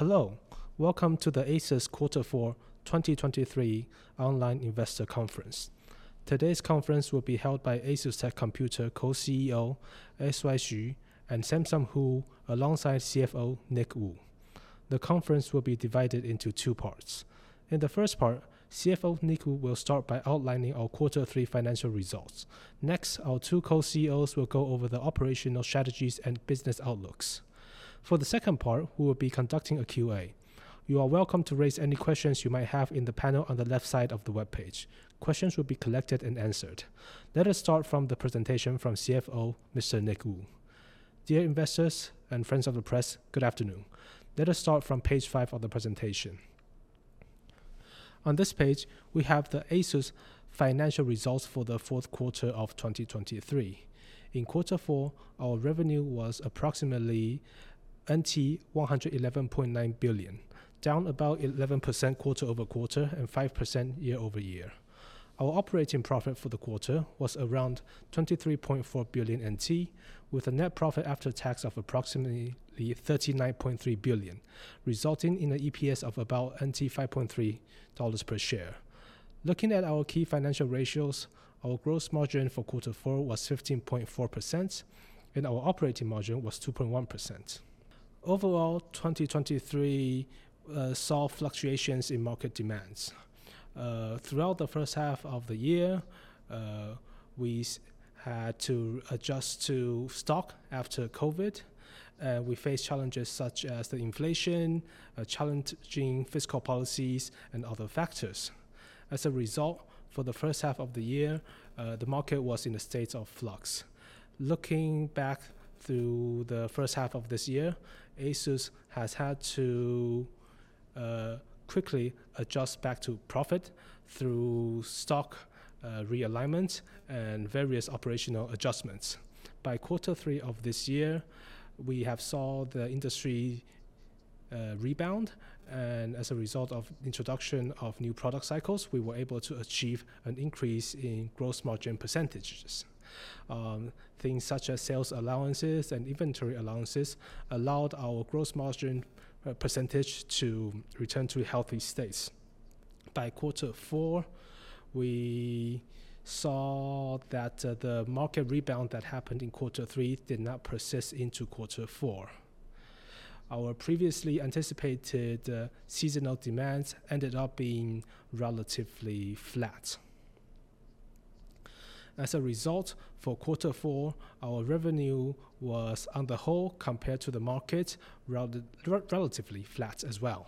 Hello, welcome to the ASUS Quarter 4 2023 Online Investor Conference. Today's conference will be held by ASUSTeK Co-CEO, S.Y. Hsu, and Samson Hu, alongside CFO Nick Wu. The conference will be divided into two parts. In the first part, CFO Nick Wu will start by outlining our Quarter 3 financial results. Next, our two Co-CEOs will go over the operational strategies and business outlooks. For the second part, we will be conducting a Q&A. You are welcome to raise any questions you might have in the panel on the left side of the webpage. Questions will be collected and answered. Let us start from the presentation from CFO, Mr. Nick Wu. Dear investors and friends of the press, good afternoon. Let us start from page 5 of the presentation. On this page, we have the ASUS financial results for the fourth quarter of 2023. In Quarter 4, our revenue was approximately 111.9 billion, down about 11% quarter-over-quarter and 5% year-over-year. Our operating profit for the quarter was around 23.4 billion NT, with a net profit after tax of approximately 39.3 billion, resulting in an EPS of about 5.3 dollars per share. Looking at our key financial ratios, our gross margin for Quarter 4 was 15.4%, and our operating margin was 2.1%. Overall, 2023 saw fluctuations in market demands. Throughout the first half of the year, we had to adjust to stock after COVID, and we faced challenges such as inflation, challenging fiscal policies, and other factors. As a result, for the first half of the year, the market was in a state of flux. Looking back through the first half of this year, ASUS has had to quickly adjust back to profit through stock realignment and various operational adjustments. By Quarter 3 of this year, we saw the industry rebound, and as a result of the introduction of new product cycles, we were able to achieve an increase in gross margin percentages. Things such as sales allowances and inventory allowances allowed our gross margin percentage to return to a healthy state. By Quarter 4, we saw that the market rebound that happened in Quarter 3 did not persist into Quarter 4. Our previously anticipated seasonal demands ended up being relatively flat. As a result, for Quarter 4, our revenue was, on the whole, compared to the market, relatively flat as well.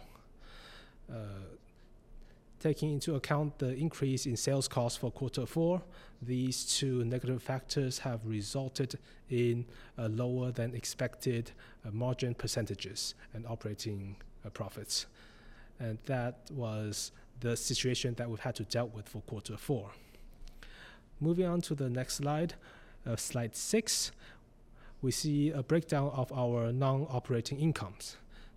Taking into account the increase in sales costs for Quarter 4, these two negative factors have resulted in lower-than-expected margin percentages and operating profits. That was the situation that we've had to deal with for Quarter 4. Moving on to the next slide, Slide 6, we see a breakdown of our non-operating income.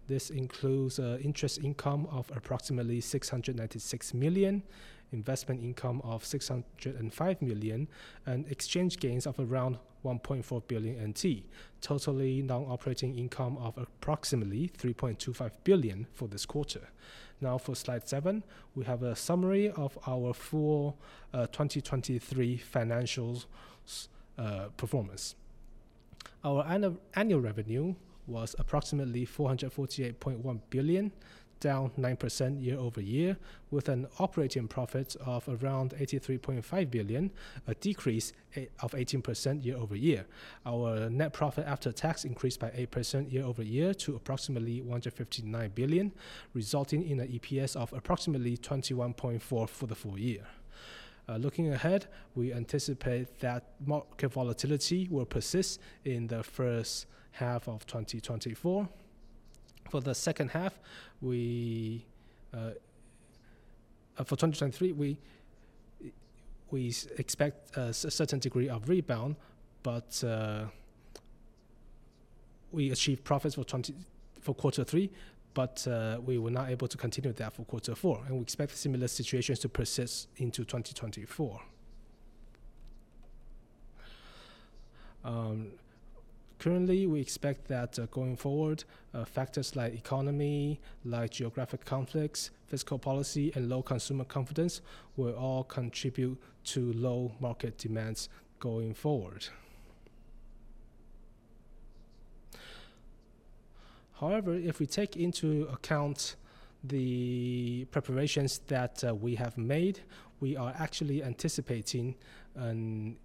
This includes interest income of approximately NT 696 million, investment income of NT 605 million, and exchange gains of around NT 1.4 billion, total non-operating income of approximately NT 3.25 billion for this quarter. Now, for Slide 7, we have a summary of our full 2023 financial performance. Our annual revenue was approximately NT 448.1 billion, down 9% year-over-year, with an operating profit of around NT 83.5 billion, a decrease of 18% year-over-year. Our net profit after tax increased by 8% year-over-year to approximately 159 billion, resulting in an EPS of approximately 21.4 for the full year. Looking ahead, we anticipate that market volatility will persist in the first half of 2024. For the second half, for 2023, we expect a certain degree of rebound, but we achieved profits for Quarter 3, but we were not able to continue that for Quarter 4, and we expect similar situations to persist into 2024. Currently, we expect that going forward, factors like economy, like geographic conflicts, fiscal policy, and low consumer confidence will all contribute to low market demands going forward. However, if we take into account the preparations that we have made, we are actually anticipating an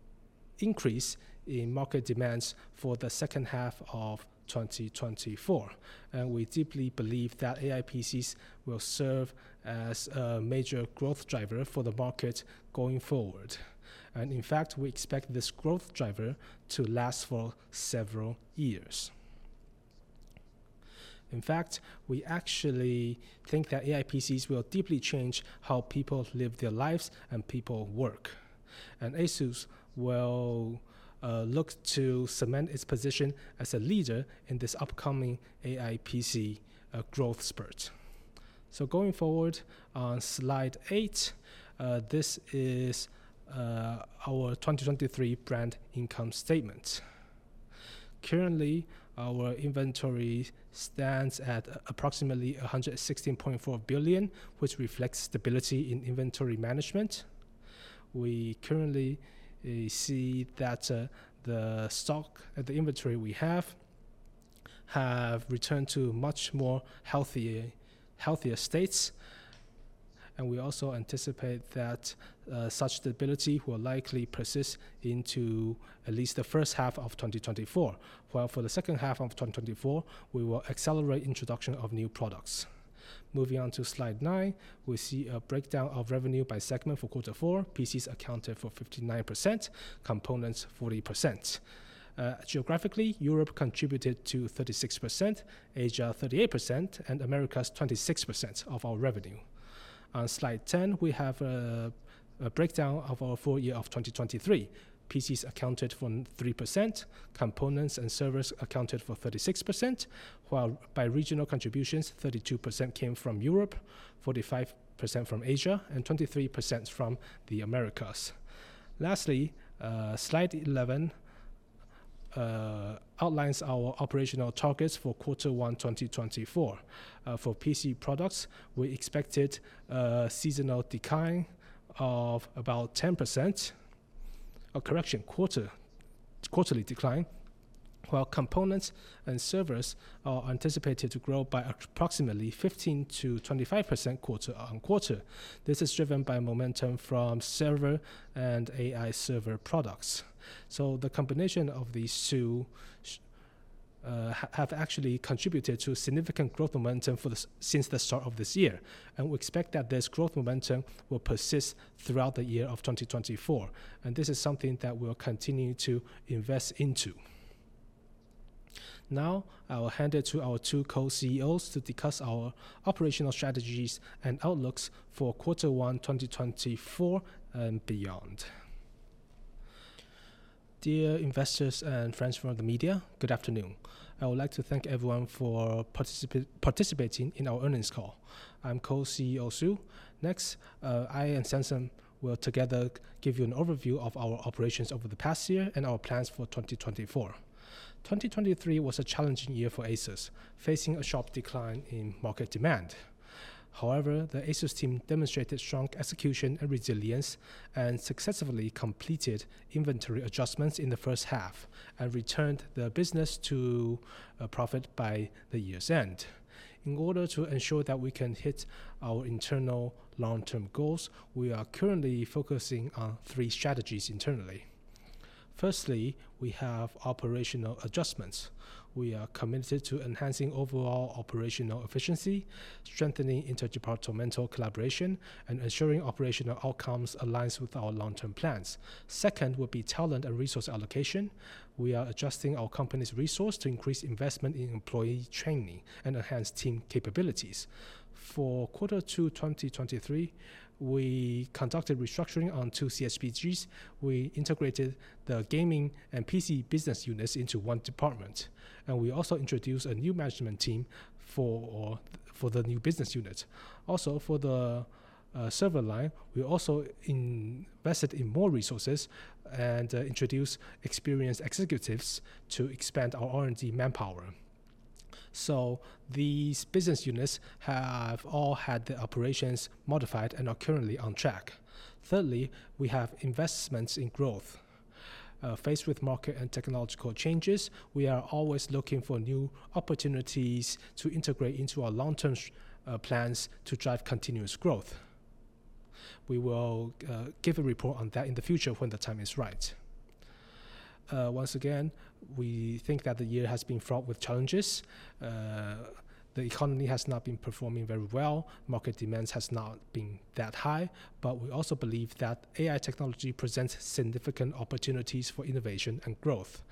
increase in market demands for the second half of 2024, and we deeply believe that AI PCs will serve as a major growth driver for the market going forward. In fact, we expect this growth driver to last for several years. In fact, we actually think that AI PCs will deeply change how people live their lives and people work, and ASUS will look to cement its position as a leader in this upcoming AI PC growth spurt. Going forward, on Slide 8, this is our 2023 brand income statement. Currently, our inventory stands at approximately 116.4 billion, which reflects stability in inventory management. We currently see that the stock and the inventory we have have returned to much more healthier states, and we also anticipate that such stability will likely persist into at least the first half of 2024, while for the second half of 2024, we will accelerate the introduction of new products. Moving on to Slide 9, we see a breakdown of revenue by segment for Quarter 4. PCs accounted for 59%, components 40%. Geographically, Europe contributed to 36%, Asia 38%, and Americas 26% of our revenue. On Slide 10, we have a breakdown of our full year of 2023. PCs accounted for 3%, components and service accounted for 36%, while by regional contributions, 32% from Europe, 45% from Asia, and 23% from the Americas. Lastly, Slide 11 outlines our operational targets for Quarter 1 2024. For PC products, we expected a seasonal decline of about 10%, a quarterly decline, while components and service are anticipated to grow by approximately 15%-25% quarter on quarter. This is driven by momentum from server and AI server products. So the combination of these two has actually contributed to significant growth momentum since the start of this year, and we expect that this growth momentum will persist throughout the year of 2024, and this is something that we will continue to invest into. Now, I will hand it to our two Co-CEOs to discuss our operational strategies and outlooks for Quarter 1 2024 and beyond. Dear investors and friends from the media, good afternoon. I would like to thank everyone for participating in our earnings call. I'm Co-CEO Hsien-Yuen Hsu. Next, I and Samson will together give you an overview of our operations over the past year and our plans for 2024. 2023 was a challenging year for ASUS, facing a sharp decline in market demand. However, the ASUS team demonstrated strong execution and resilience and successfully completed inventory adjustments in the first half and returned the business to profit by the year's end. In order to ensure that we can hit our internal long-term goals, we are currently focusing on three strategies internally. Firstly, we have operational adjustments. We are committed to enhancing overall operational efficiency, strengthening interdepartmental collaboration, and ensuring operational outcomes align with our long-term plans. Second would be talent and resource allocation. We are adjusting our company's resource to increase investment in employee training and enhance team capabilities. For Quarter 2 2023, we conducted restructuring on two CS BGs. We integrated the gaming and PC business units into one department, and we also introduced a new management team for the new business unit. Also, for the server line, we also invested in more resources and introduced experienced executives to expand our R&D manpower. So these business units have all had their operations modified and are currently on track. Thirdly, we have investments in growth. Faced with market and technological changes, we are always looking for new opportunities to integrate into our long-term plans to drive continuous growth. We will give a report on that in the future when the time is right. Once again, we think that the year has been fraught with challenges. The economy has not been performing very well. Market demands have not been that high, but we also believe that AI technology presents significant opportunities for innovation and growth.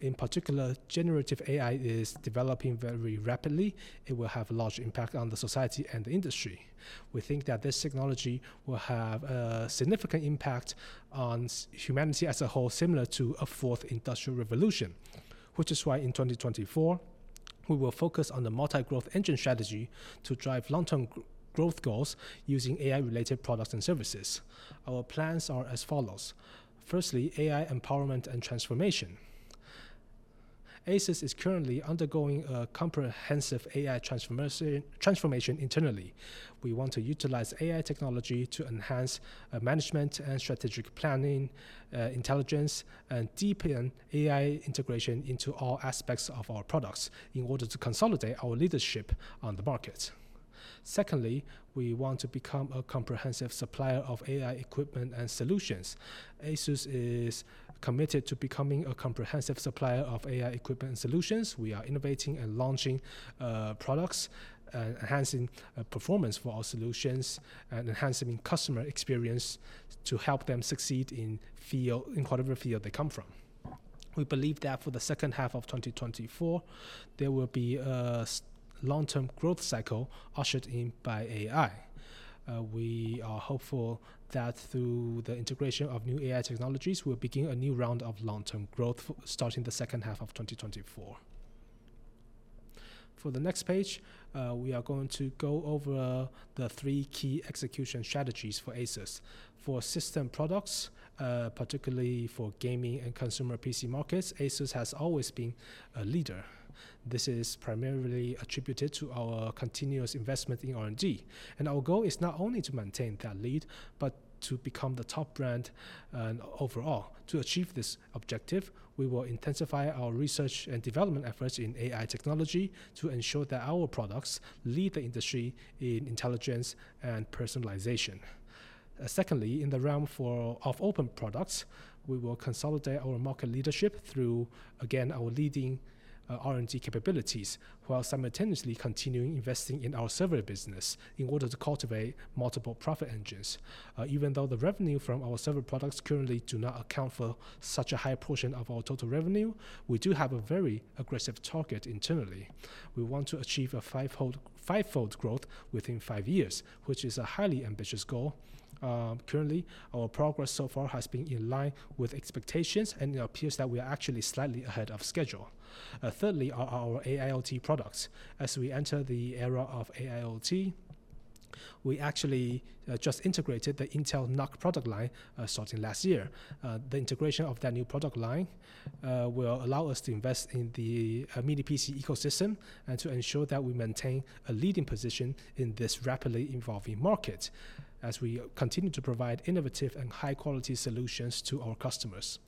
In particular, generative AI is developing very rapidly. It will have a large impact on the society and the industry. We think that this technology will have a significant impact on humanity as a whole, similar to a fourth industrial revolution, which is why in 2024, we will focus on the multi-growth engine strategy to drive long-term growth goals using AI-related products and services. Our plans are as follows. Firstly, AI empowerment and transformation. ASUS is currently undergoing a comprehensive AI transformation internally. We want to utilize AI technology to enhance management and strategic planning, intelligence, and deepen AI integration into all aspects of our products in order to consolidate our leadership on the market. Secondly, we want to become a comprehensive supplier of AI equipment and solutions. ASUS is committed to becoming a comprehensive supplier of AI equipment and solutions. We are innovating and launching products and enhancing performance for our solutions and enhancing customer experience to help them succeed in whatever field they come from. We believe that for the second half of 2024, there will be a long-term growth cycle ushered in by AI. We are hopeful that through the integration of new AI technologies, we will begin a new round of long-term growth starting the second half of 2024. For the next page, we are going to go over the three key execution strategies for ASUS. For system products, particularly for gaming and consumer PC markets, ASUS has always been a leader. This is primarily attributed to our continuous investment in R&D. Our goal is not only to maintain that lead, but to become the top brand overall. To achieve this objective, we will intensify our research and development efforts in AI technology to ensure that our products lead the industry in intelligence and personalization. Secondly, in the realm of open products, we will consolidate our market leadership through, again, our leading R&D capabilities, while simultaneously continuing to invest in our server business in order to cultivate multiple profit engines. Even though the revenue from our server products currently does not account for such a high portion of our total revenue, we do have a very aggressive target internally. We want to achieve a five-fold growth within five years, which is a highly ambitious goal. Currently, our progress so far has been in line with expectations, and it appears that we are actually slightly ahead of schedule. Thirdly, are our AIoT products. As we enter the era of AIoT, we actually just integrated the Intel NUC product line starting last year. The integration of that new product line will allow us to invest in the mini PC ecosystem and to ensure that we maintain a leading position in this rapidly evolving market as we continue to provide innovative and high-quality solutions to our customers.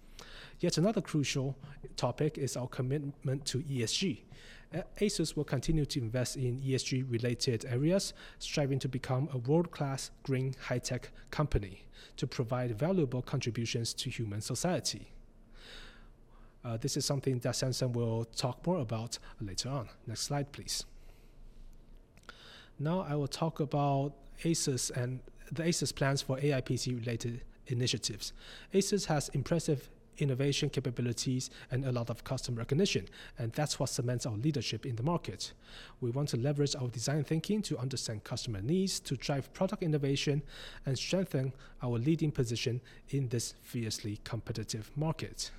Yet another crucial topic is our commitment to ESG. ASUS will continue to invest in ESG-related areas, striving to become a world-class green high-tech company to provide valuable contributions to human society. This is something that Samson will talk more about later on. Next slide, please. Now, I will talk about ASUS and the ASUS plans for AI PC-related initiatives. ASUS has impressive innovation capabilities and a lot of customer recognition, and that's what cements our leadership in the market. We want to leverage our design thinking to understand customer needs, to drive product innovation, and strengthen our leading position in this fiercely competitive market.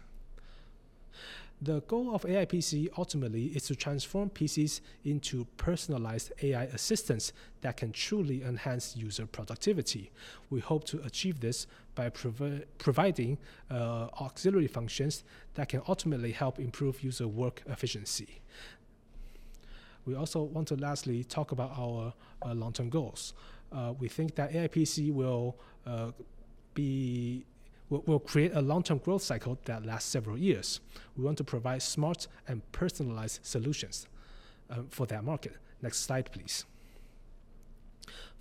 The goal of AI PC ultimately is to transform PCs into personalized AI assistants that can truly enhance user productivity. We hope to achieve this by providing auxiliary functions that can ultimately help improve user work efficiency. We also want to lastly talk about our long-term goals. We think that AI PC will create a long-term growth cycle that lasts several years. We want to provide smart and personalized solutions for that market. Next slide, please.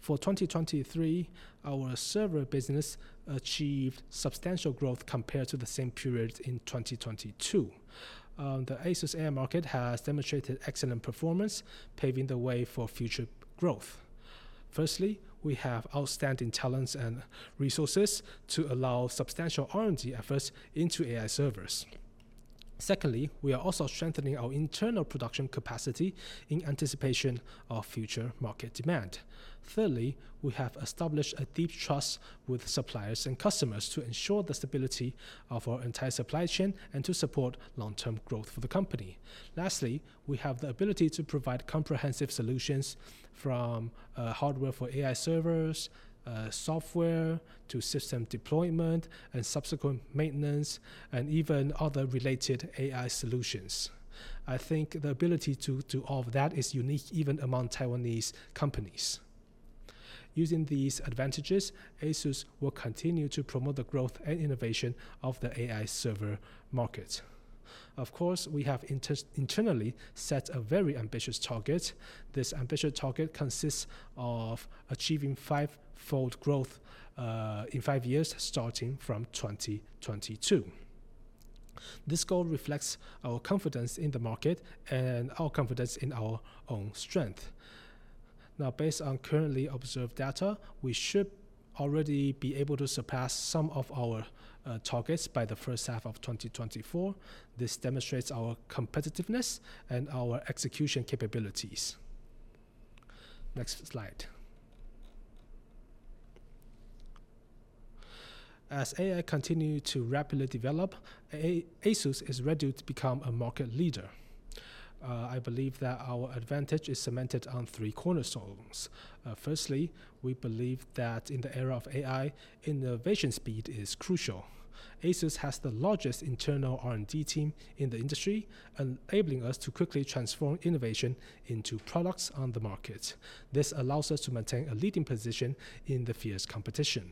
For 2023, our server business achieved substantial growth compared to the same period in 2022. The ASUS AI market has demonstrated excellent performance, paving the way for future growth. Firstly, we have outstanding talents and resources to allow substantial R&D efforts into AI servers. Secondly, we are also strengthening our internal production capacity in anticipation of future market demand. Thirdly, we have established a deep trust with suppliers and customers to ensure the stability of our entire supply chain and to support long-term growth for the company. Lastly, we have the ability to provide comprehensive solutions from hardware for AI servers, software to system deployment and subsequent maintenance, and even other related AI solutions. I think the ability to do all of that is unique even among Taiwanese companies. Using these advantages, ASUS will continue to promote the growth and innovation of the AI server market. Of course, we have internally set a very ambitious target. This ambitious target consists of achieving 5-fold growth in 5 years starting from 2022. This goal reflects our confidence in the market and our confidence in our own strength. Now, based on currently observed data, we should already be able to surpass some of our targets by the first half of 2024. This demonstrates our competitiveness and our execution capabilities. Next slide. As AI continues to rapidly develop, ASUS is ready to become a market leader. I believe that our advantage is cemented on three cornerstones. Firstly, we believe that in the era of AI, innovation speed is crucial. ASUS has the largest internal R&D team in the industry, enabling us to quickly transform innovation into products on the market. This allows us to maintain a leading position in the fierce competition.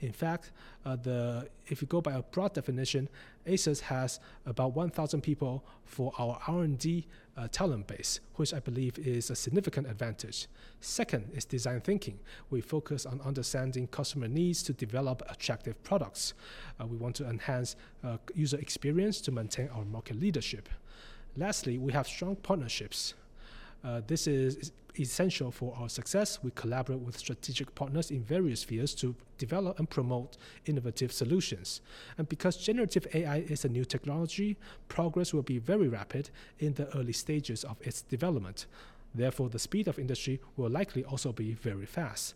In fact, if you go by a broad definition, ASUS has about 1,000 people for our R&D talent base, which I believe is a significant advantage. Second is design thinking. We focus on understanding customer needs to develop attractive products. We want to enhance user experience to maintain our market leadership. Lastly, we have strong partnerships. This is essential for our success. We collaborate with strategic partners in various spheres to develop and promote innovative solutions. And because generative AI is a new technology, progress will be very rapid in the early stages of its development. Therefore, the speed of industry will likely also be very fast.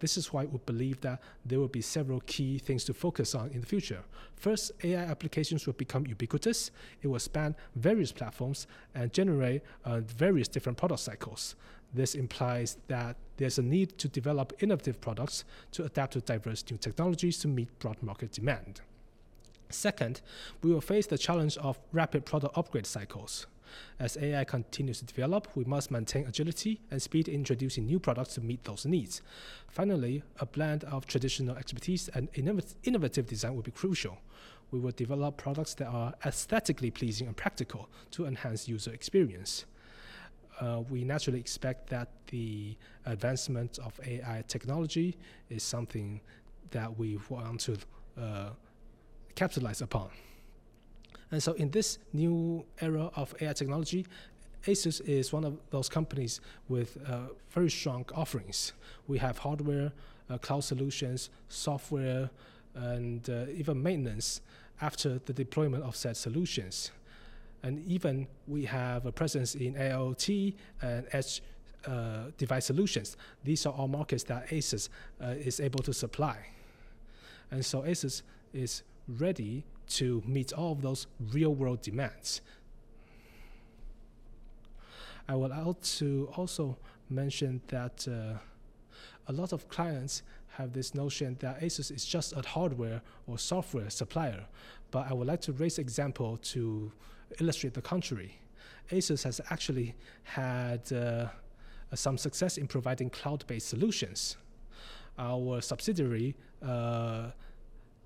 This is why we believe that there will be several key things to focus on in the future. First, AI applications will become ubiquitous. It will span various platforms and generate various different product cycles. This implies that there's a need to develop innovative products to adapt to diverse new technologies to meet broad market demand. Second, we will face the challenge of rapid product upgrade cycles. As AI continues to develop, we must maintain agility and speed in introducing new products to meet those needs. Finally, a blend of traditional expertise and innovative design will be crucial. We will develop products that are aesthetically pleasing and practical to enhance user experience. We naturally expect that the advancement of AI technology is something that we want to capitalize upon. And so in this new era of AI technology, ASUS is one of those companies with very strong offerings. We have hardware, cloud solutions, software, and even maintenance after the deployment of said solutions. And even we have a presence in AIoT and edge device solutions. These are all markets that ASUS is able to supply. And so ASUS is ready to meet all of those real-world demands. I would like to also mention that a lot of clients have this notion that ASUS is just a hardware or software supplier. But I would like to raise an example to illustrate the contrary. ASUS has actually had some success in providing cloud-based solutions. Our subsidiary,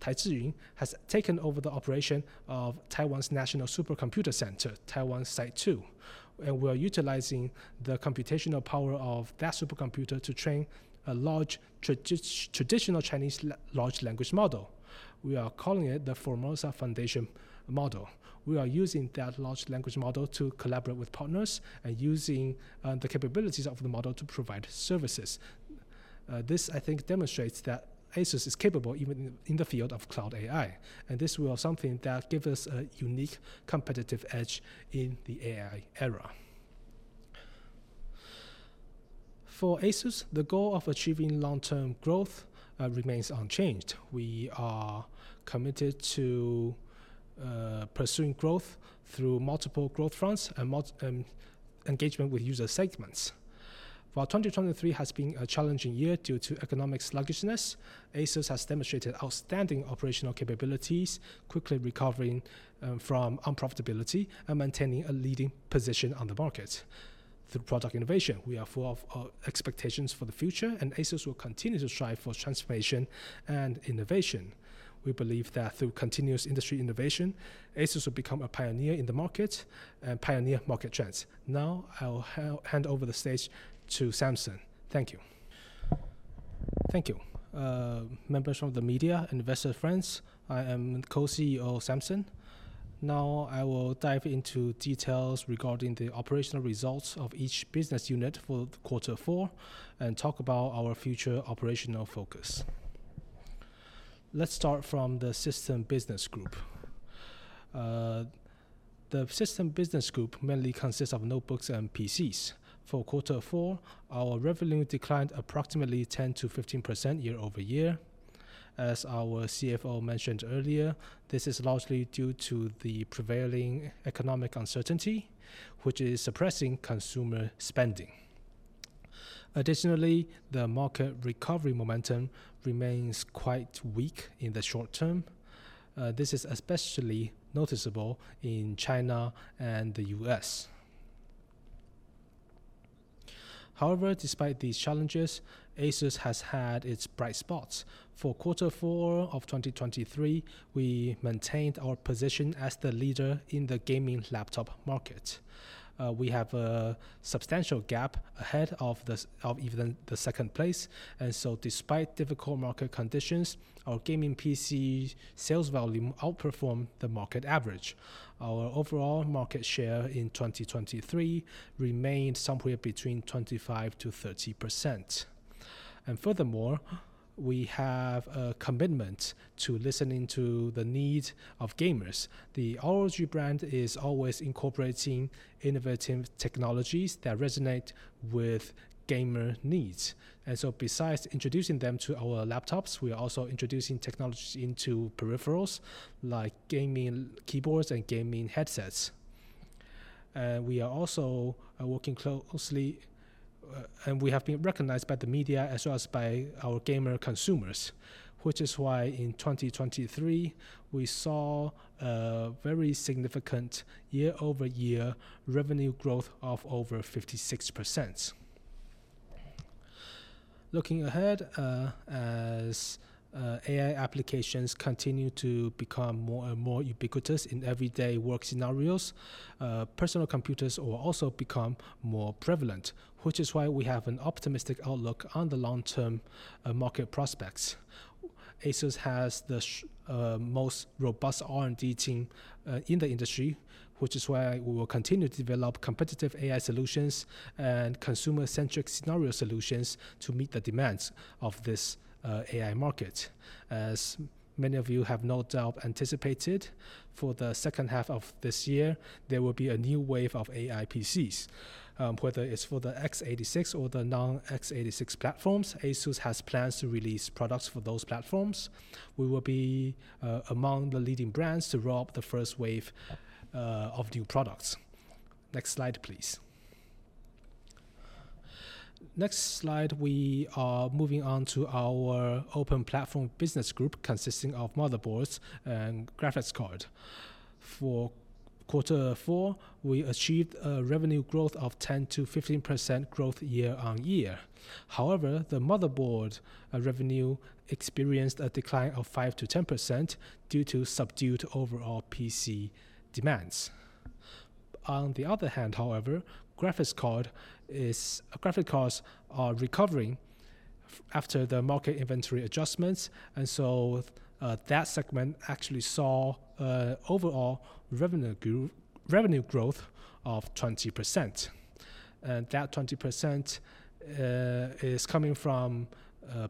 Tai Zhi Yun, has taken over the operation of Taiwan's National Supercomputer Center, Taiwania 2, and we are utilizing the computational power of that supercomputer to train a large traditional Chinese large language model. We are calling it the Formosa Foundation Model. We are using that large language model to collaborate with partners and using the capabilities of the model to provide services. This, I think, demonstrates that ASUS is capable even in the field of cloud AI. This will be something that gives us a unique competitive edge in the AI era. For ASUS, the goal of achieving long-term growth remains unchanged. We are committed to pursuing growth through multiple growth fronts and engagement with user segments. While 2023 has been a challenging year due to economic sluggishness, ASUS has demonstrated outstanding operational capabilities, quickly recovering from unprofitability and maintaining a leading position on the market. Through product innovation, we are full of expectations for the future, and ASUS will continue to strive for transformation and innovation. We believe that through continuous industry innovation, ASUS will become a pioneer in the market and pioneer market trends. Now, I will hand over the stage to Samson. Thank you. Thank you. Members from the media and investor friends, I am Co-CEO Samson. Now, I will dive into details regarding the operational results of each business unit for quarter four and talk about our future operational focus. Let's start from the system business group. The system business group mainly consists of notebooks and PCs. For quarter four, our revenue declined approximately 10%-15% year-over-year. As our CFO mentioned earlier, this is largely due to the prevailing economic uncertainty, which is suppressing consumer spending. Additionally, the market recovery momentum remains quite weak in the short term. This is especially noticeable in China and the U.S. However, despite these challenges, ASUS has had its bright spots. For quarter four of 2023, we maintained our position as the leader in the gaming laptop market. We have a substantial gap ahead of even the second place. And so despite difficult market conditions, our gaming PC sales volume outperformed the market average. Our overall market share in 2023 remained somewhere between 25%-30%. And furthermore, we have a commitment to listening to the needs of gamers. The ROG brand is always incorporating innovative technologies that resonate with gamer needs. And so besides introducing them to our laptops, we are also introducing technologies into peripherals like gaming keyboards and gaming headsets. We are also working closely, and we have been recognized by the media as well as by our gamer consumers, which is why in 2023, we saw a very significant year-over-year revenue growth of over 56%. Looking ahead, as AI applications continue to become more and more ubiquitous in everyday work scenarios, personal computers will also become more prevalent, which is why we have an optimistic outlook on the long-term market prospects. ASUS has the most robust R&D team in the industry, which is why we will continue to develop competitive AI solutions and consumer-centric scenario solutions to meet the demands of this AI market. As many of you have no doubt anticipated, for the second half of this year, there will be a new wave of AI PCs. Whether it's for the x86 or the non-x86 platforms, ASUS has plans to release products for those platforms. We will be among the leading brands to roll up the first wave of new products. Next slide, please. Next slide, we are moving on to our open platform business group consisting of motherboards and graphics cards. For quarter four, we achieved a revenue growth of 10%-15% growth year-on-year. However, the motherboard revenue experienced a decline of 5%-10% due to subdued overall PC demands. On the other hand, however, graphics cards are recovering after the market inventory adjustments. And so that segment actually saw an overall revenue growth of 20%. That 20% is coming from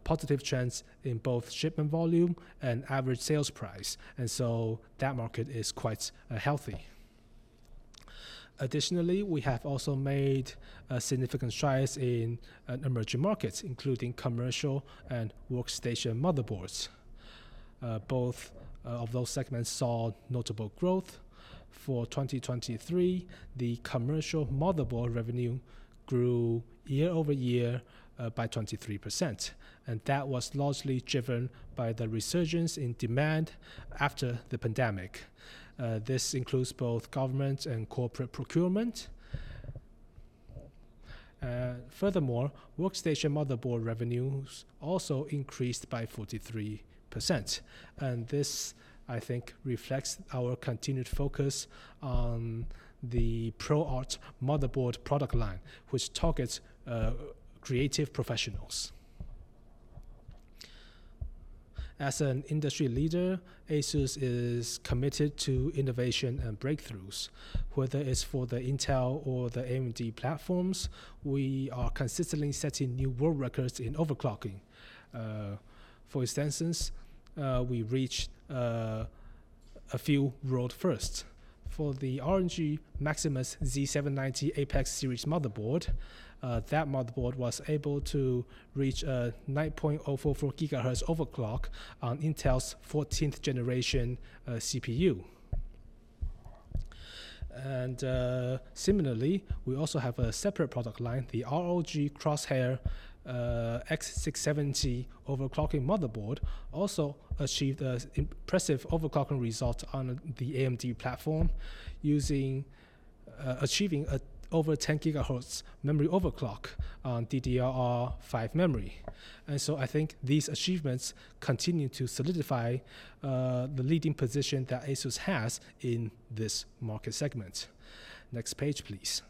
positive trends in both shipment volume and average sales price. And so that market is quite healthy. Additionally, we have also made significant strides in emerging markets, including commercial and workstation motherboards. Both of those segments saw notable growth. For 2023, the commercial motherboard revenue grew year-over-year by 23%. And that was largely driven by the resurgence in demand after the pandemic. This includes both government and corporate procurement. Furthermore, workstation motherboard revenues also increased by 43%. And this, I think, reflects our continued focus on the ProArt motherboard product line, which targets creative professionals. As an industry leader, ASUS is committed to innovation and breakthroughs. Whether it's for the Intel or the AMD platforms, we are consistently setting new world records in overclocking. For instance, we reached a few world first. For the ROG Maximus Z790 Apex series motherboard, that motherboard was able to reach a 9.044 GHz overclock on Intel's 14th generation CPU. Similarly, we also have a separate product line, the ROG Crosshair X670 overclocking motherboard, also achieved an impressive overclocking result on the AMD platform achieving over 10 GHz memory overclock on DDR5 memory. So I think these achievements continue to solidify the leading position that ASUS has in this market segment. Next page, please.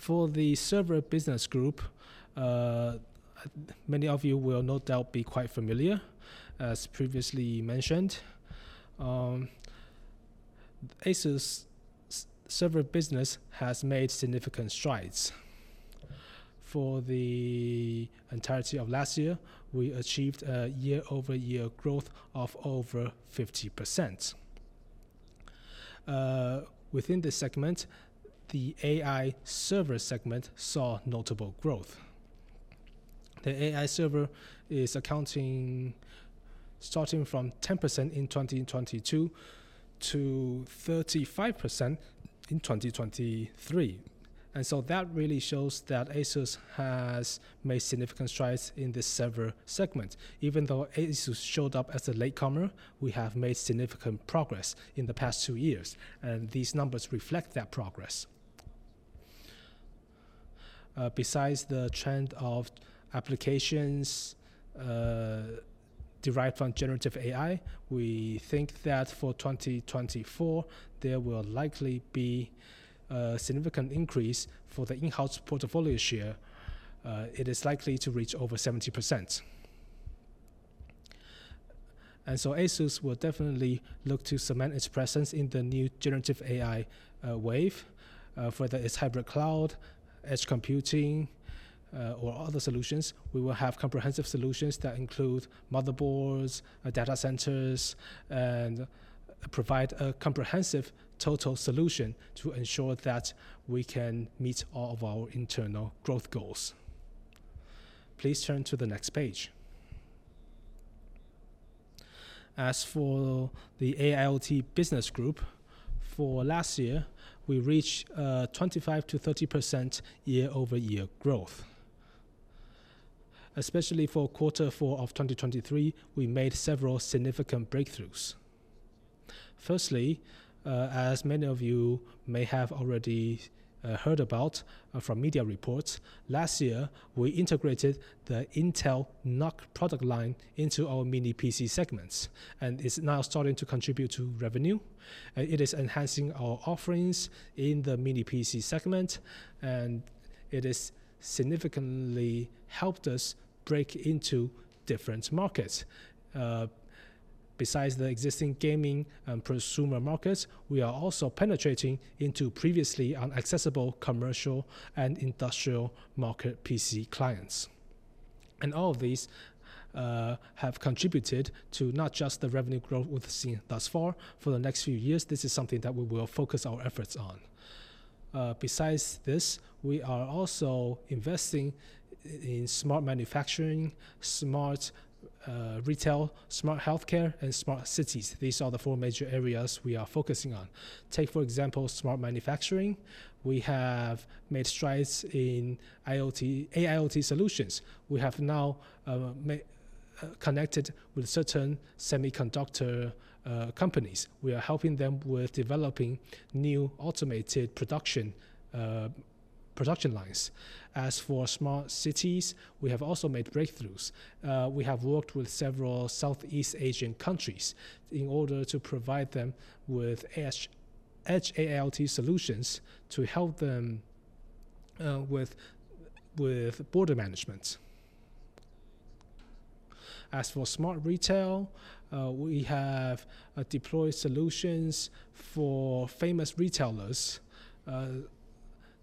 For the server business group, many of you will no doubt be quite familiar, as previously mentioned. ASUS server business has made significant strides. For the entirety of last year, we achieved a year-over-year growth of over 50%. Within this segment, the AI server segment saw notable growth. The AI server is accounting for starting from 10% in 2022 to 35% in 2023. So that really shows that ASUS has made significant strides in this server segment. Even though ASUS showed up as a latecomer, we have made significant progress in the past two years. These numbers reflect that progress. Besides the trend of applications derived from generative AI, we think that for 2024, there will likely be a significant increase for the in-house portfolio share. It is likely to reach over 70%. ASUS will definitely look to cement its presence in the new generative AI wave. Whether it's hybrid cloud, edge computing, or other solutions, we will have comprehensive solutions that include motherboards, data centers, and provide a comprehensive total solution to ensure that we can meet all of our internal growth goals. Please turn to the next page. As for the AIoT business group, for last year, we reached 25%-30% year-over-year growth. Especially for quarter four of 2023, we made several significant breakthroughs. First, as many of you may have already heard about from media reports, last year, we integrated the Intel NUC product line into our mini PC segments. It's now starting to contribute to revenue. It is enhancing our offerings in the mini PC segment. It has significantly helped us break into different markets. Besides the existing gaming and consumer markets, we are also penetrating into previously inaccessible commercial and industrial market PC clients. All of these have contributed to not just the revenue growth we've seen thus far. For the next few years, this is something that we will focus our efforts on. Besides this, we are also investing in smart manufacturing, smart retail, smart healthcare, and smart cities. These are the four major areas we are focusing on. Take, for example, smart manufacturing. We have made strides in AIoT solutions. We have now connected with certain semiconductor companies. We are helping them with developing new automated production lines. As for smart cities, we have also made breakthroughs. We have worked with several Southeast Asian countries in order to provide them with edge AIoT solutions to help them with border management. As for smart retail, we have deployed solutions for famous retailers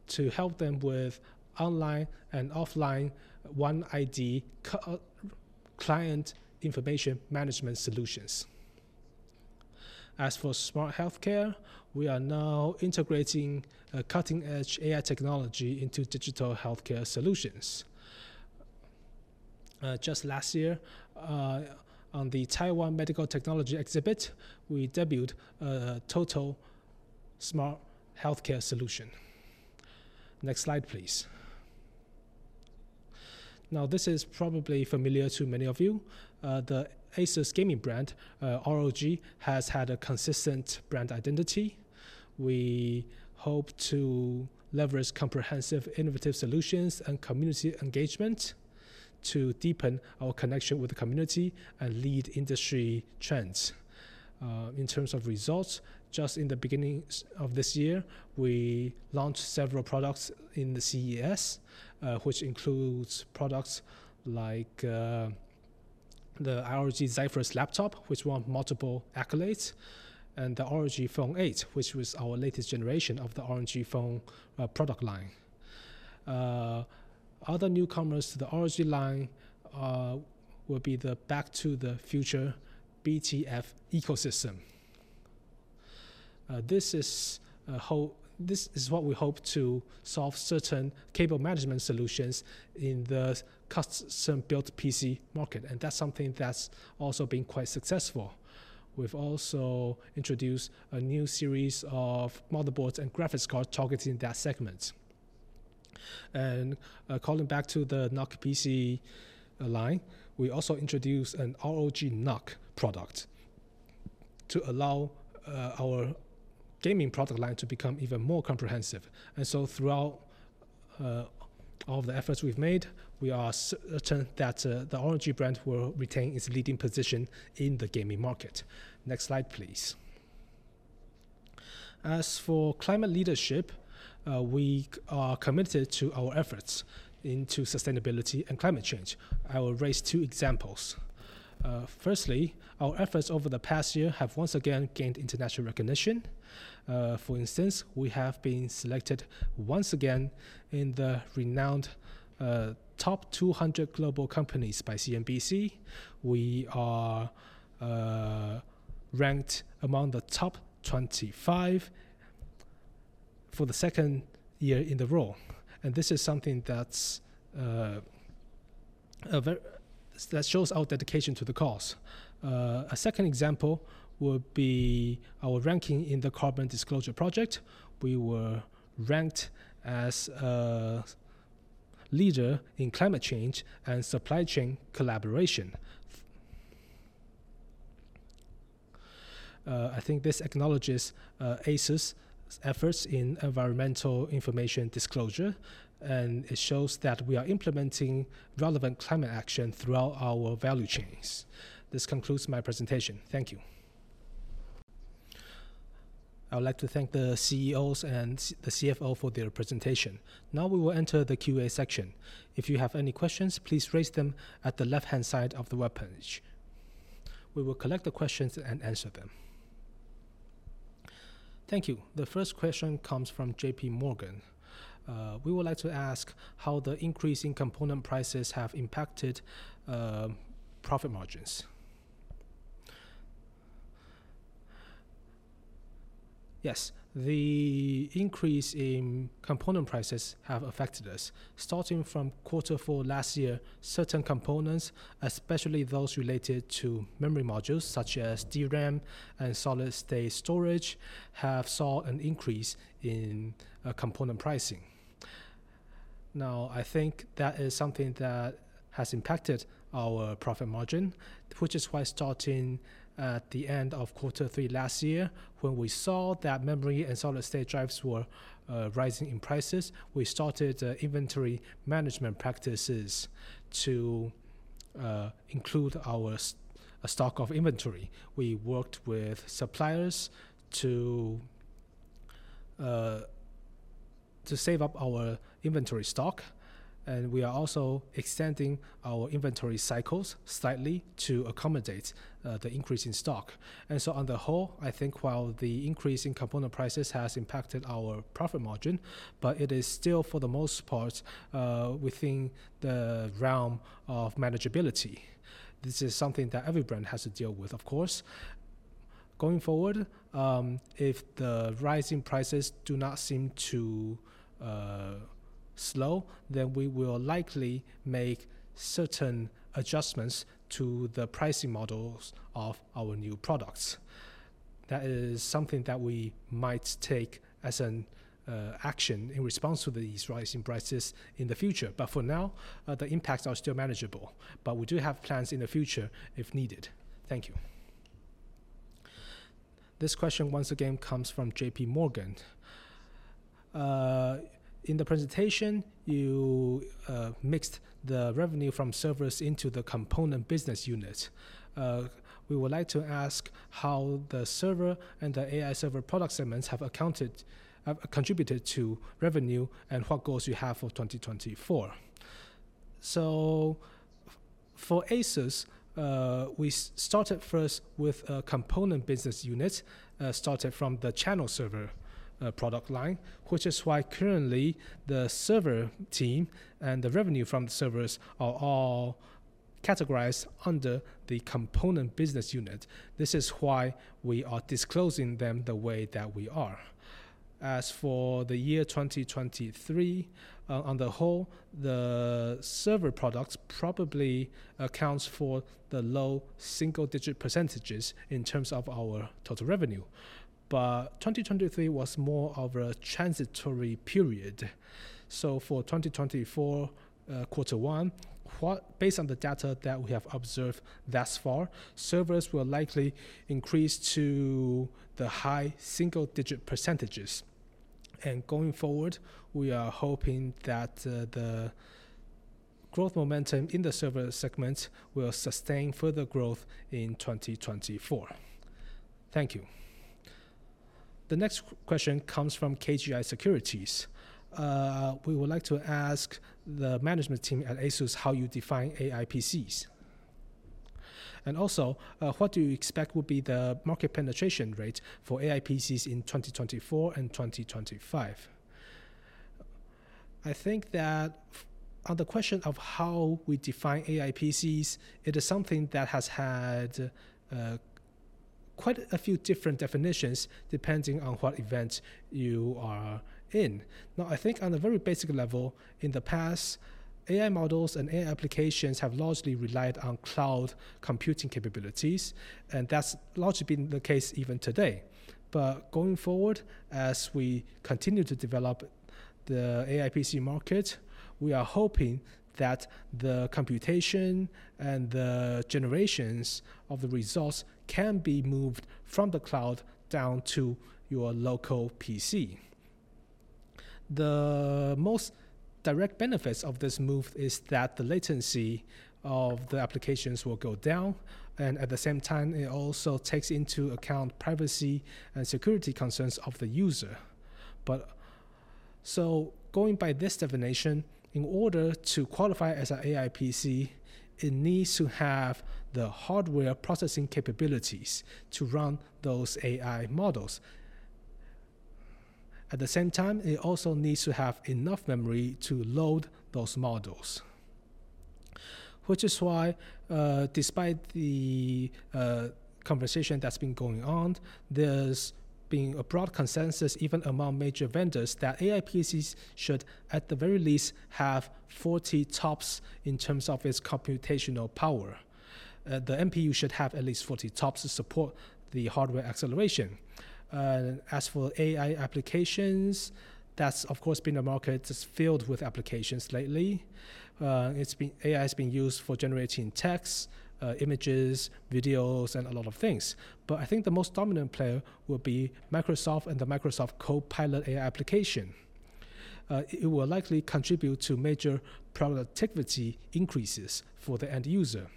to help them with online and offline OneID client information management solutions. As for smart healthcare, we are now integrating cutting-edge AI technology into digital healthcare solutions. Just last year, on the Taiwan Medical Technology Exhibit, we debuted a total smart healthcare solution. Next slide, please. Now, this is probably familiar to many of you. The ASUS gaming brand, ROG, has had a consistent brand identity. We hope to leverage comprehensive, innovative solutions and community engagement to deepen our connection with the community and lead industry trends. In terms of results, just in the beginning of this year, we launched several products in the CES, which includes products like the ROG Zephyrus laptop, which won multiple accolades, and the ROG Phone 8, which was our latest generation of the ROG Phone product line. Other newcomers to the ROG line will be the Back to the Future BTF ecosystem. This is what we hope to solve certain cable management solutions in the custom-built PC market. That's something that's also been quite successful. We've also introduced a new series of motherboards and graphics cards targeting that segment. Calling back to the NUC PC line, we also introduced an ROG NUC product to allow our gaming product line to become even more comprehensive. And so throughout all of the efforts we've made, we are certain that the ROG brand will retain its leading position in the gaming market. Next slide, please. As for climate leadership, we are committed to our efforts into sustainability and climate change. I will raise two examples. Firstly, our efforts over the past year have once again gained international recognition. For instance, we have been selected once again in the renowned top 200 global companies by CNBC. We are ranked among the top 25 for the second year in a row. And this is something that shows our dedication to the cause. A second example would be our ranking in the Carbon Disclosure Project. We were ranked as a leader in climate change and supply chain collaboration. I think this acknowledges ASUS' efforts in environmental information disclosure. It shows that we are implementing relevant climate action throughout our value chains. This concludes my presentation. Thank you. I would like to thank the CEOs and the CFO for their presentation. Now, we will enter the Q&A section. If you have any questions, please raise them at the left-hand side of the web page. We will collect the questions and answer them. Thank you. The first question comes from J.P. Morgan. We would like to ask how the increase in component prices has impacted profit margins. Yes, the increase in component prices has affected us. Starting from quarter four last year, certain components, especially those related to memory modules such as DRAM and solid-state storage, have saw an increase in component pricing. Now, I think that is something that has impacted our profit margin, which is why starting at the end of quarter three last year, when we saw that memory and solid-state drives were rising in prices, we started inventory management practices to include our stock of inventory. We worked with suppliers to save up our inventory stock. We are also extending our inventory cycles slightly to accommodate the increase in stock. On the whole, I think while the increase in component prices has impacted our profit margin, but it is still, for the most part, within the realm of manageability. This is something that every brand has to deal with, of course. Going forward, if the rising prices do not seem to slow, then we will likely make certain adjustments to the pricing models of our new products. That is something that we might take as an action in response to these rising prices in the future. But for now, the impacts are still manageable. But we do have plans in the future if needed. Thank you. This question, once again, comes from J.P. Morgan. In the presentation, you mixed the revenue from servers into the component business unit. We would like to ask how the server and the AI server product segments have contributed to revenue and what goals you have for 2024. So for ASUS, we started first with a component business unit started from the channel server product line, which is why currently, the server team and the revenue from the servers are all categorized under the component business unit. This is why we are disclosing them the way that we are. As for the year 2023, on the whole, the server products probably account for the low single-digit percentages in terms of our total revenue. But 2023 was more of a transitory period. So for 2024 quarter one, based on the data that we have observed thus far, servers will likely increase to the high single-digit percentages. And going forward, we are hoping that the growth momentum in the server segments will sustain further growth in 2024. Thank you. The next question comes from KGI Securities. We would like to ask the management team at ASUS how you define AI PCs. And also, what do you expect will be the market penetration rate for AI PCs in 2024 and 2025? I think that on the question of how we define AI PCs, it is something that has had quite a few different definitions depending on what event you are in. Now, I think on a very basic level, in the past, AI models and AI applications have largely relied on cloud computing capabilities. And that's largely been the case even today. But going forward, as we continue to develop the AI PC market, we are hoping that the computation and the generations of the results can be moved from the cloud down to your local PC. The most direct benefit of this move is that the latency of the applications will go down. And at the same time, it also takes into account privacy and security concerns of the user. So going by this definition, in order to qualify as an AI PC, it needs to have the hardware processing capabilities to run those AI models. At the same time, it also needs to have enough memory to load those models. Which is why, despite the conversation that's been going on, there's been a broad consensus even among major vendors that AI PCs should, at the very least, have 40 TOPS in terms of its computational power. The NPU should have at least 40 TOPS to support the hardware acceleration. As for AI applications, that's, of course, been a market that's filled with applications lately. AI has been used for generating text, images, videos, and a lot of things. But I think the most dominant player will be Microsoft and the Microsoft Copilot AI application. It will likely contribute to major productivity increases for the end user.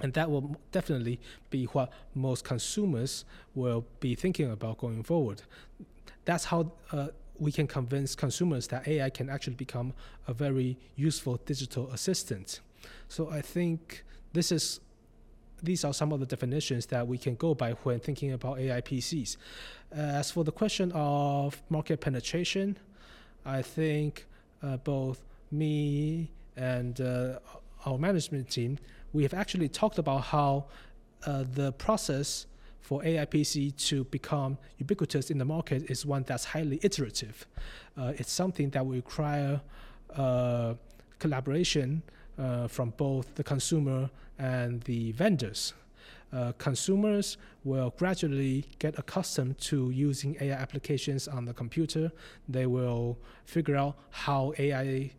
And that will definitely be what most consumers will be thinking about going forward. That's how we can convince consumers that AI can actually become a very useful digital assistant. I think these are some of the definitions that we can go by when thinking about AI PCs. As for the question of market penetration, I think both me and our management team, we have actually talked about how the process for AI PC to become ubiquitous in the market is one that's highly iterative. It's something that will require collaboration from both the consumer and the vendors. Consumers will gradually get accustomed to using AI applications on the computer. They will figure out how AI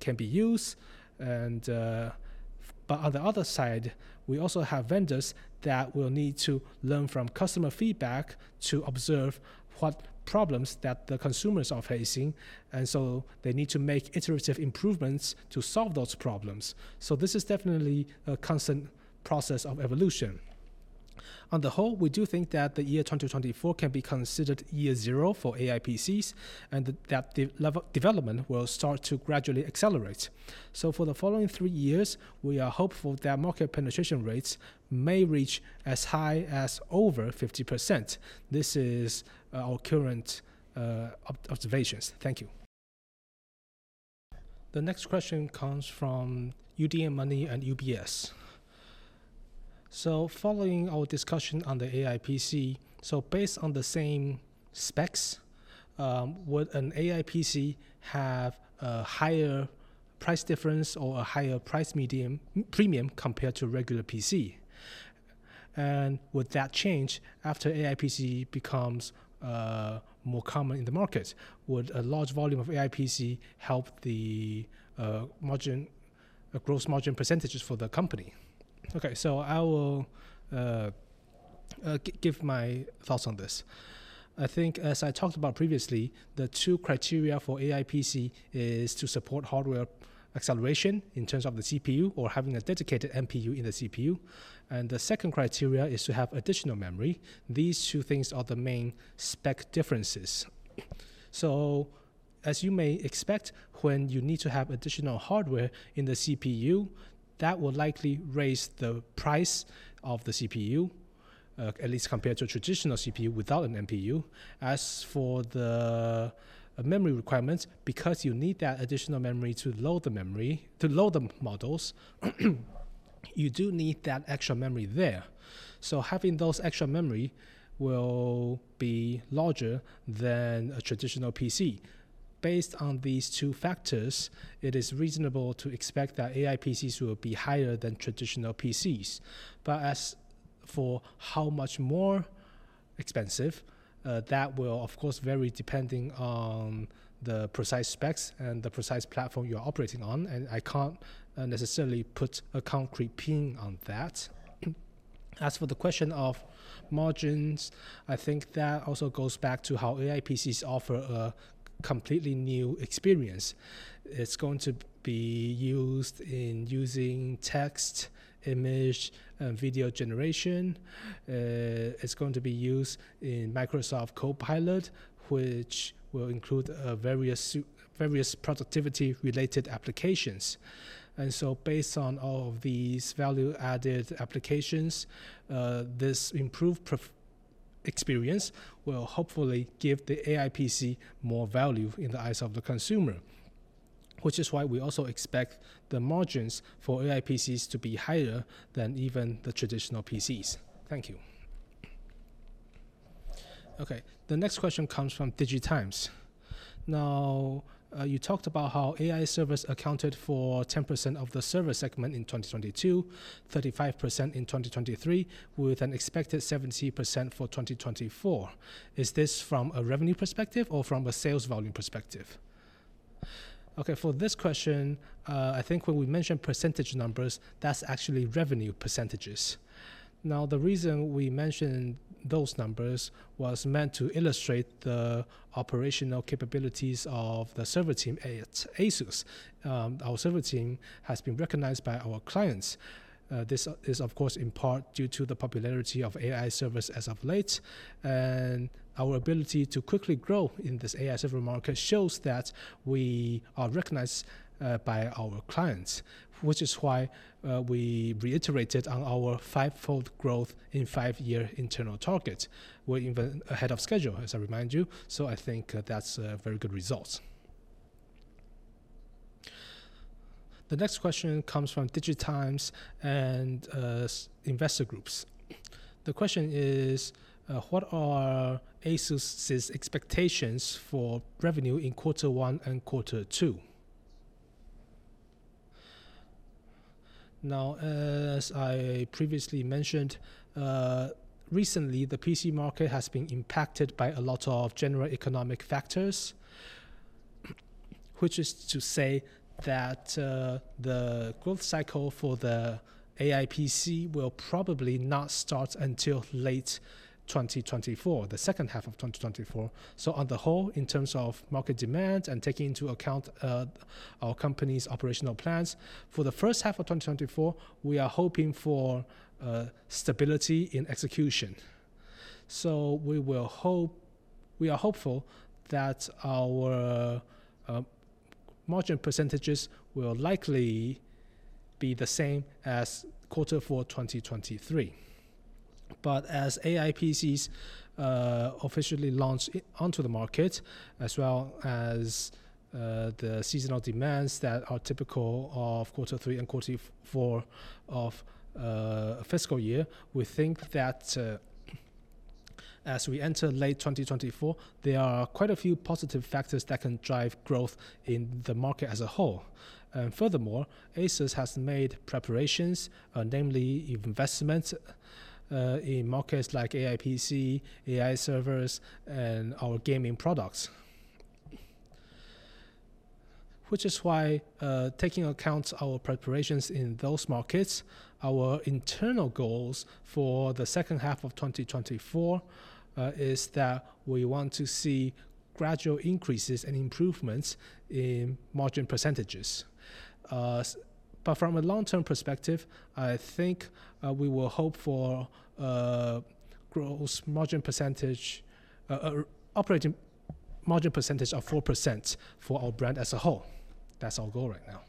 can be used. But on the other side, we also have vendors that will need to learn from customer feedback to observe what problems the consumers are facing. And so they need to make iterative improvements to solve those problems. So this is definitely a constant process of evolution. On the whole, we do think that the year 2024 can be considered year zero for AI PCs and that the development will start to gradually accelerate. So for the following three years, we are hopeful that market penetration rates may reach as high as over 50%. This is our current observations. Thank you. The next question comes from UDN Money and UBS. So following our discussion on the AI PC, so based on the same specs, would an AI PC have a higher price difference or a higher price premium compared to a regular PC? And would that change after AI PC becomes more common in the market? Would a large volume of AI PC help the gross margin percentages for the company? Okay, so I will give my thoughts on this. I think, as I talked about previously, the two criteria for AI PC is to support hardware acceleration in terms of the CPU or having a dedicated NPU in the CPU. And the second criteria is to have additional memory. These two things are the main spec differences. So as you may expect, when you need to have additional hardware in the CPU, that will likely raise the price of the CPU, at least compared to a traditional CPU without an NPU. As for the memory requirements, because you need that additional memory to load the models, you do need that extra memory there. So having those extra memory will be larger than a traditional PC. Based on these two factors, it is reasonable to expect that AI PCs will be higher than traditional PCs. But as for how much more expensive, that will, of course, vary depending on the precise specs and the precise platform you're operating on. And I can't necessarily put a concrete pin on that. As for the question of margins, I think that also goes back to how AI PCs offer a completely new experience. It's going to be used in using text, image, and video generation. It's going to be used in Microsoft Copilot, which will include various productivity-related applications. And so based on all of these value-added applications, this improved experience will hopefully give the AI PC more value in the eyes of the consumer, which is why we also expect the margins for AI PCs to be higher than even the traditional PCs. Thank you. Okay, the next question comes from DigiTimes. Now, you talked about how AI servers accounted for 10% of the server segment in 2022, 35% in 2023, with an expected 70% for 2024. Is this from a revenue perspective or from a sales volume perspective? Okay, for this question, I think when we mentioned percentage numbers, that's actually revenue percentages. Now, the reason we mentioned those numbers was meant to illustrate the operational capabilities of the server team at ASUS. Our server team has been recognized by our clients. This is, of course, in part due to the popularity of AI servers as of late. And our ability to quickly grow in this AI server market shows that we are recognized by our clients, which is why we reiterated on our five-fold growth in five-year internal target. We're even ahead of schedule, as I remind you. I think that's a very good result. The next question comes from DigiTimes and Investor Groups. The question is, what are ASUS's expectations for revenue in quarter one and quarter two? Now, as I previously mentioned, recently, the PC market has been impacted by a lot of general economic factors, which is to say that the growth cycle for the AI PC will probably not start until late 2024, the second half of 2024. So on the whole, in terms of market demand and taking into account our company's operational plans, for the first half of 2024, we are hoping for stability in execution. So we are hopeful that our margin percentages will likely be the same as quarter four 2023. But as AI PCs officially launch onto the market, as well as the seasonal demands that are typical of quarter three and quarter four of a fiscal year, we think that as we enter late 2024, there are quite a few positive factors that can drive growth in the market as a whole. And furthermore, ASUS has made preparations, namely investments in markets like AI PC, AI servers, and our gaming products, which is why, taking account of our preparations in those markets, our internal goals for the second half of 2024 is that we want to see gradual increases and improvements in margin percentages. But from a long-term perspective, I think we will hope for operating margin percentage of 4% for our brand as a whole. That's our goal right now.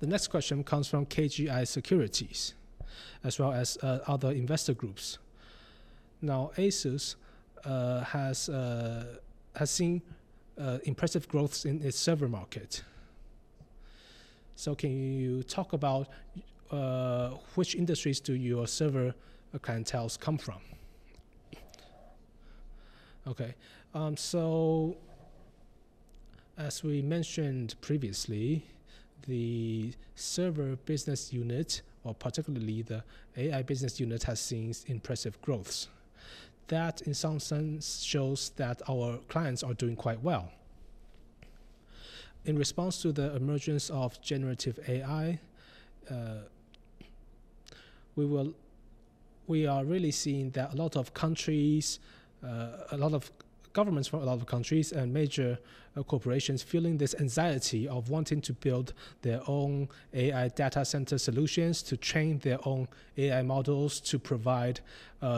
The next question comes from KGI Securities as well as other investor groups. Now, ASUS has seen impressive growth in its server market. So can you talk about which industries do your server clientele come from? Okay, so as we mentioned previously, the server business unit, or particularly the AI business unit, has seen impressive growth. That, in some sense, shows that our clients are doing quite well. In response to the emergence of generative AI, we are really seeing that a lot of countries, a lot of governments from a lot of countries, and major corporations are feeling this anxiety of wanting to build their own AI data center solutions to train their own AI models to provide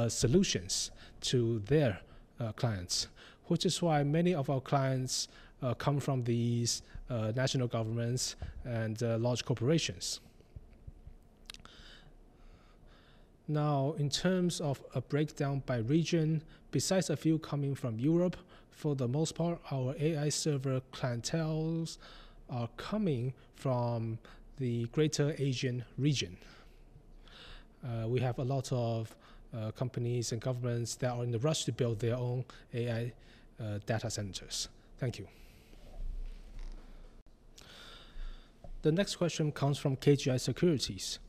solutions to their clients, which is why many of our clients come from these national governments and large corporations. Now, in terms of a breakdown by region, besides a few coming from Europe, for the most part, our AI server clientele is coming from the Greater Asian region. We have a lot of companies and governments that are in the rush to build their own AI data centers. Thank you. The next question comes from KGI Securities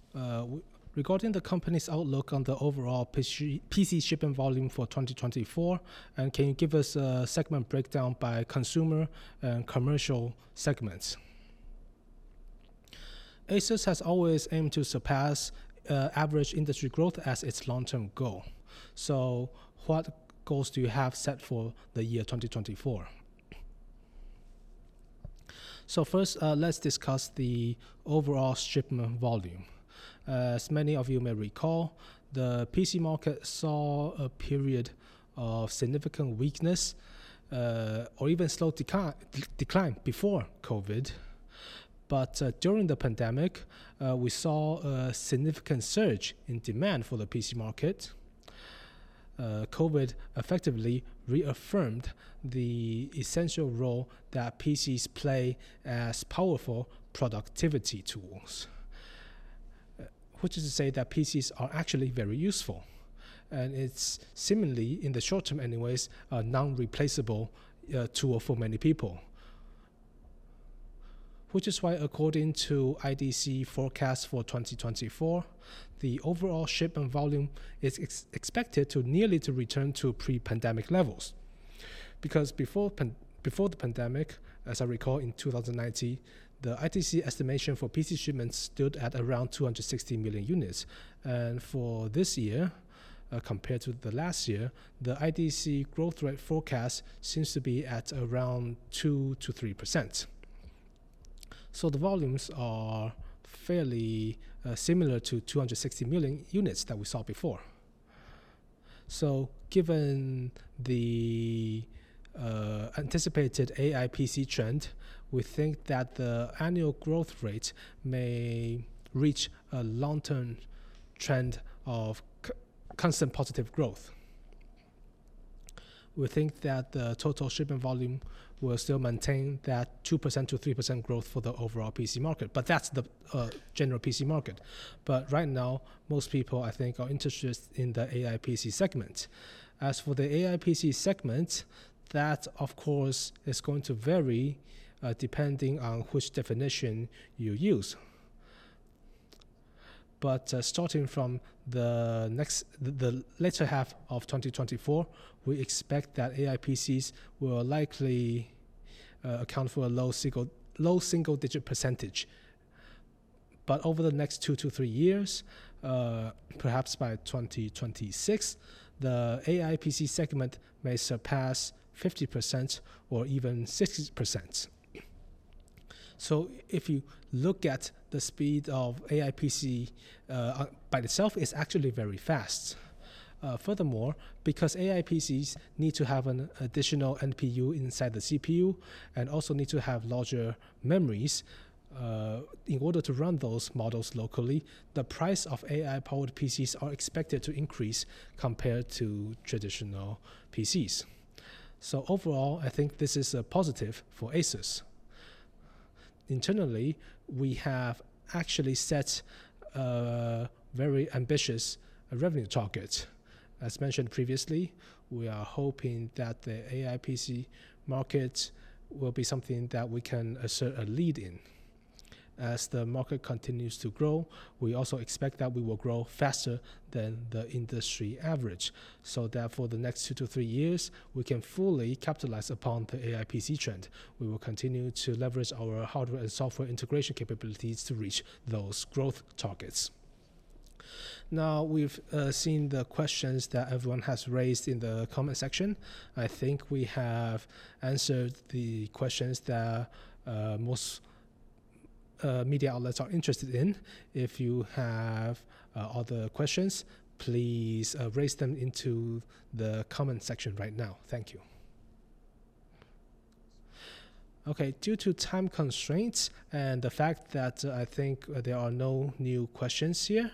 regarding the company's outlook on the overall PC shipment volume for 2024. And can you give us a segment breakdown by consumer and commercial segments? ASUS has always aimed to surpass average industry growth as its long-term goal. So what goals do you have set for the year 2024? So first, let's discuss the overall shipment volume. As many of you may recall, the PC market saw a period of significant weakness or even slow decline before COVID. But during the pandemic, we saw a significant surge in demand for the PC market. COVID effectively reaffirmed the essential role that PCs play as powerful productivity tools, which is to say that PCs are actually very useful. And it's similarly, in the short term anyways, a non-replaceable tool for many people, which is why, according to IDC forecasts for 2024, the overall shipment volume is expected nearly to return to pre-pandemic levels. Because before the pandemic, as I recall, in 2019, the IDC estimation for PC shipments stood at around 260 million units. And for this year, compared to the last year, the IDC growth rate forecast seems to be at around 2%-3%. So the volumes are fairly similar to 260 million units that we saw before. So given the anticipated AI PC trend, we think that the annual growth rate may reach a long-term trend of constant positive growth. We think that the total shipment volume will still maintain that 2%-3% growth for the overall PC market. But that's the general PC market. But right now, most people, I think, are interested in the AI PC segment. As for the AI PC segment, that, of course, is going to vary depending on which definition you use. But starting from the later half of 2024, we expect that AI PCs will likely account for a low single-digit percentage. But over the next 2-3 years, perhaps by 2026, the AI PC segment may surpass 50% or even 60%. So if you look at the speed of AI PC by itself, it's actually very fast. Furthermore, because AI PCs need to have an additional NPU inside the CPU and also need to have larger memories in order to run those models locally, the price of AI-powered PCs is expected to increase compared to traditional PCs. So overall, I think this is a positive for ASUS. Internally, we have actually set very ambitious revenue targets. As mentioned previously, we are hoping that the AI PC market will be something that we can assert a lead in. As the market continues to grow, we also expect that we will grow faster than the industry average so that for the next two to three years, we can fully capitalize upon the AI PC trend. We will continue to leverage our hardware and software integration capabilities to reach those growth targets. Now, we've seen the questions that everyone has raised in the comment section. I think we have answered the questions that most media outlets are interested in. If you have other questions, please raise them into the comment section right now. Thank you. Okay, due to time constraints and the fact that I think there are no new questions here,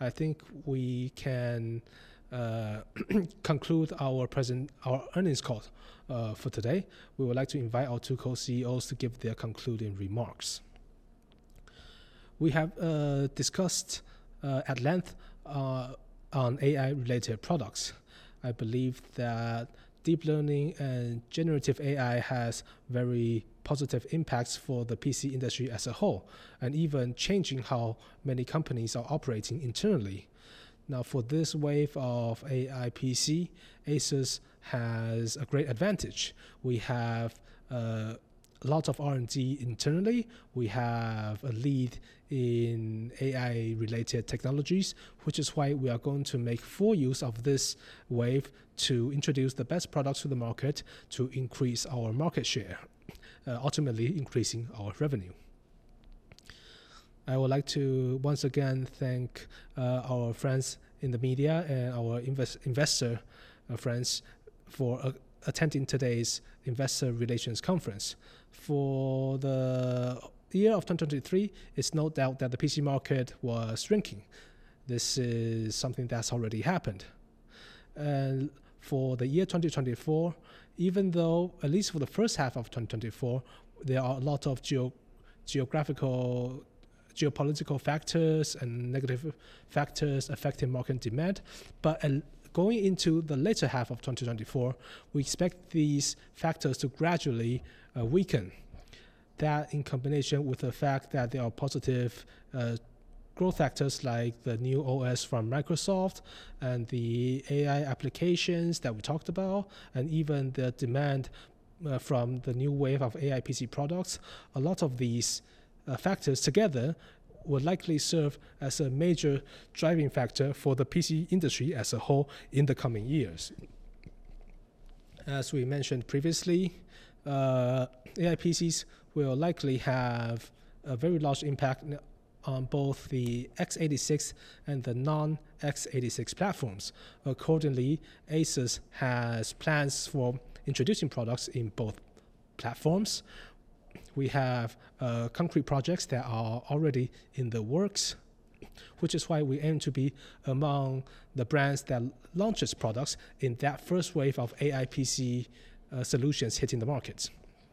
I think we can conclude our earnings call for today. We would like to invite our two co-CEOs to give their concluding remarks. We have discussed at length on AI-related products. I believe that deep learning and generative AI have very positive impacts for the PC industry as a whole and even changing how many companies are operating internally. Now, for this wave of AI PC, ASUS has a great advantage. We have a lot of R&D internally. We have a lead in AI-related technologies, which is why we are going to make full use of this wave to introduce the best products to the market to increase our market share, ultimately increasing our revenue. I would like to once again thank our friends in the media and our investor friends for attending today's investor relations conference. For the year of 2023, it's no doubt that the PC market was shrinking. This is something that's already happened. For the year 2024, even though at least for the first half of 2024, there are a lot of geopolitical factors and negative factors affecting market demand. Going into the later half of 2024, we expect these factors to gradually weaken. That, in combination with the fact that there are positive growth factors like the new OS from Microsoft and the AI applications that we talked about, and even the demand from the new wave of AI PC products, a lot of these factors together will likely serve as a major driving factor for the PC industry as a whole in the coming years. As we mentioned previously, AI PCs will likely have a very large impact on both the x86 and the non-x86 platforms. Accordingly, ASUS has plans for introducing products in both platforms. We have concrete projects that are already in the works, which is why we aim to be among the brands that launch products in that first wave of AI PC solutions hitting the market.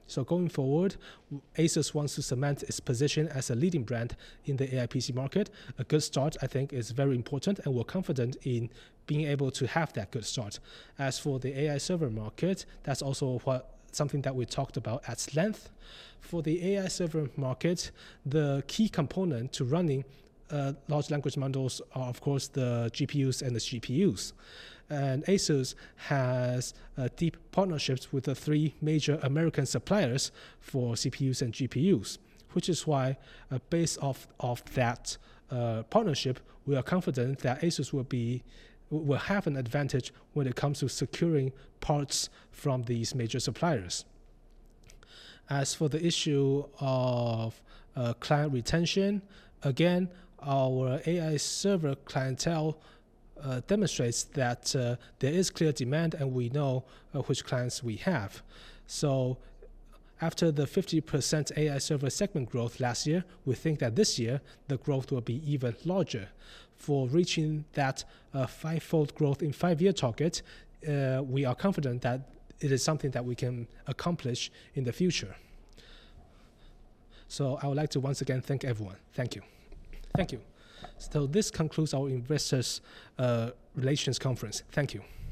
So going forward, ASUS wants to cement its position as a leading brand in the AI PC market. A good start, I think, is very important, and we're confident in being able to have that good start. As for the AI server market, that's also something that we talked about at length. For the AI server market, the key component to running large language models are, of course, the GPUs and the CPUs. And ASUS has deep partnerships with the three major American suppliers for CPUs and GPUs, which is why, based off of that partnership, we are confident that ASUS will have an advantage when it comes to securing parts from these major suppliers. As for the issue of client retention, again, our AI server clientele demonstrates that there is clear demand, and we know which clients we have. So after the 50% AI server segment growth last year, we think that this year the growth will be even larger. For reaching that five-fold growth in five-year target, we are confident that it is something that we can accomplish in the future. So I would like to once again thank everyone. Thank you. Thank you. So this concludes our investor relations conference. Thank you.